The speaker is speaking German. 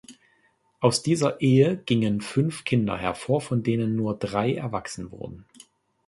Aus dieser Ehe gingen fünf Kinder hervor, von denen nur drei erwachsen wurden.